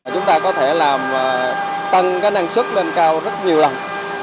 chúng ta có thể làm tăng năng suất lên cao rất nhiều lần